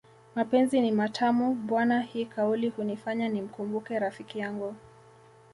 Mapenzi ni matamu bwana hii kauli hunifanya nimkumbuke rafikiyangu